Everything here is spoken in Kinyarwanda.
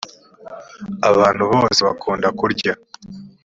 abantu bose bakunda kurya.